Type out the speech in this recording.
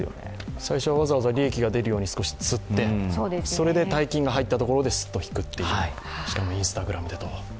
最初はわざわざ利益が出るように少しつってそれで大金が入ったところでスッと引くという、しかもＩｎｓｔａｇｒａｍでと。